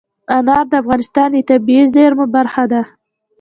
انار د افغانستان د طبیعي زیرمو برخه ده.